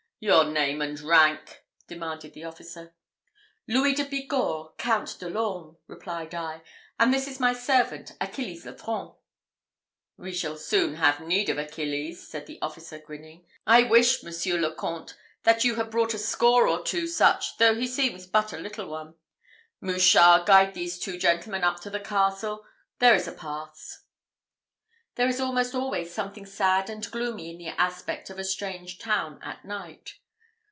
"Your name and rank?" demanded the officer. "Louis de Bigorre, Count de l'Orme," replied I; "and this is my servant, Achilles Lefranc." "We shall soon have need of Achilles," said the officer, grinning. "I wish, Monsieur le Comte, that you had brought a score or two such, though he seems but a little one. Mouchard, guide these two gentlemen up to the castle. There is a pass." There is almost always something sad and gloomy in the aspect of a strange town at night.